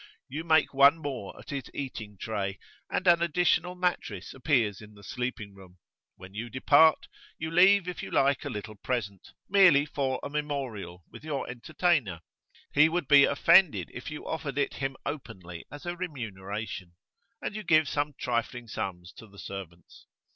You make one more at his eating tray, and an additional mattress appears in the sleeping room. When you depart, you leave if you like a little present, merely for a memorial, with your entertainer; he would be offended if you offered it him openly as a remuneration, and you give [p.37]some trifling sums to the servants.